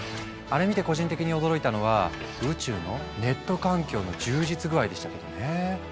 あれ見て個人的に驚いたのは宇宙のネット環境の充実具合でしたけどね。